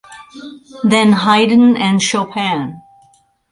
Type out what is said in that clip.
Then Haydn and Chopin.